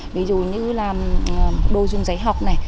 ví dụ như là đôi dung giấy học này